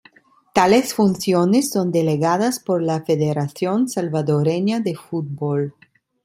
Tales funciones son delegadas por la Federación Salvadoreña de Fútbol.